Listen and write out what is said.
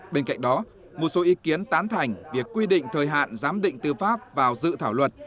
bên cạnh đó một số ý kiến tán thành việc quy định thời hạn giám định tư pháp vào dự thảo luật